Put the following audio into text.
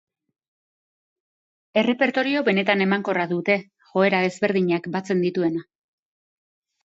Errepertorio benetan emankorra dute, joera ezberdinak batzen dituena.